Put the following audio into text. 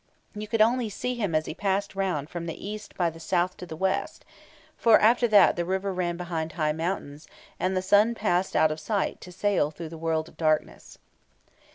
You could only see him as he passed round from the east by the south to the west, for after that the river ran behind high mountains, and the sun passed out of sight to sail through the world of darkness.